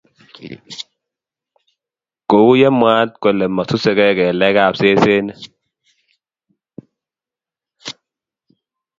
Kouye mwaat kole masusekei kelekab sesenik